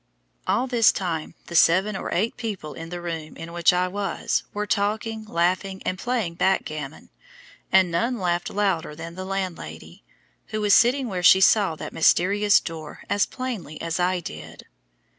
All this time the seven or eight people in the room in which I was were talking, laughing, and playing backgammon, and none laughed louder than the landlady, who was sitting where she saw that mysterious door as plainly as I did.